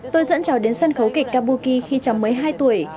tôi dẫn chào đến sân khấu kịch kabuki khi cháu mới hai tuổi